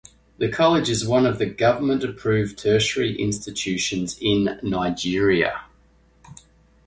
The college is one of the government approved tertiary institutions in Nigeria.